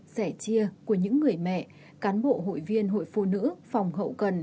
sẻ chia của những người mẹ cán bộ hội viên hội phụ nữ phòng hậu cần